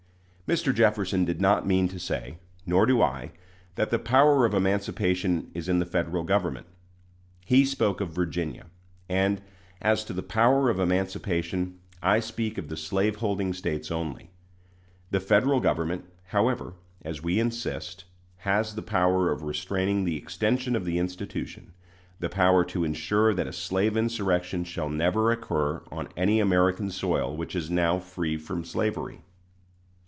Mr. Jefferson did not mean to say, nor do I, that the power of emancipation is in the Federal Government. He spoke of Virginia; and, as to the power of emancipation, I speak of the slaveholding States only. The Federal Government, however, as we insist, has the power of restraining the extension of the institution the power to insure that a slave insurrection shall never occur on any American soil which is now free from slavery.